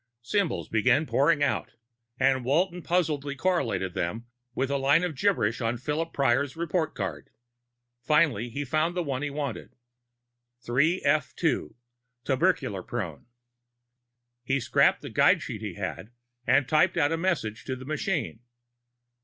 Symbols began pouring forth, and Walton puzzledly correlated them with the line of gibberish on Phillip Prior's record card. Finally he found the one he wanted: 3f2, tubercular prone. He scrapped the guide sheet he had and typed out a message to the machine.